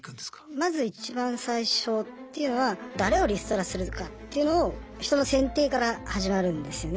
まずいちばん最初っていうのは誰をリストラするかっていうのを人の選定から始まるんですよね。